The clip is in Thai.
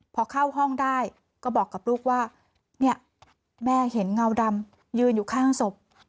พอเข้าห้องได้ก็บอกกับลูกว่าเนี่ยแม่เห็นเงาดำยืนอยู่ข้างศพ